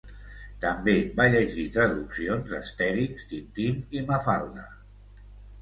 També va llegir traduccions d'Astèrix, Tintín i Mafalda.